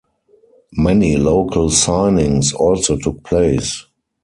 Many local signings also took place.